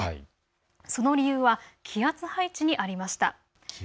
その理由は気圧配置にありました。